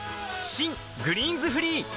新「グリーンズフリー」